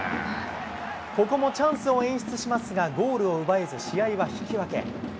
ここもチャンスを演出しますが、ゴールを奪えず、試合は引き分け。